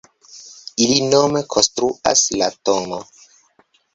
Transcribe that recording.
Ili nome konstruas la tn.